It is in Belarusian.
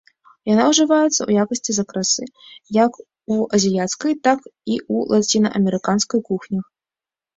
Яна ўжываецца ў якасці закрасы як у азіяцкай, так і ў лацінаамерыканскай кухнях.